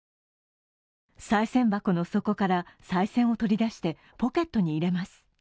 さい銭箱の底からさい銭を取り出して、ポケットに入れます。